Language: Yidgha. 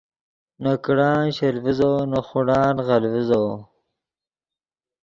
نے کڑان شل ڤیزو نے خوڑان غل ڤیزو